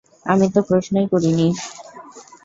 আমি তো প্রশ্নই করিনি!